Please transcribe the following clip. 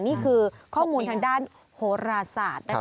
นี่คือข้อมูลทางด้านโหราศาสตร์นะคะ